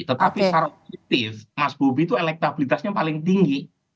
tetapi secara politik mas bobi itu elektabilitasnya paling tinggi